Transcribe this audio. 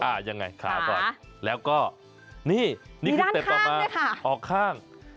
อ่ายังไงขาก่อนขาแล้วก็นี่นี่คือเต็มต่อมามีด้านข้างด้วยค่ะออกข้าง